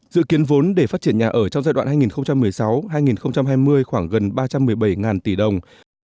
dự kiến vốn để phát triển nhà ở trong giai đoạn hai nghìn một mươi sáu hai nghìn hai mươi khoảng gần ba trăm một mươi bảy tỷ đồng